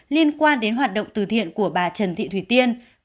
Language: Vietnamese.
liên quan đến hoạt động từ thiện của bà trần thị thủy tiên